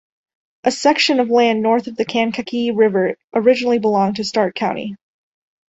A section of land north of the Kankakee River originally belonged to Starke County.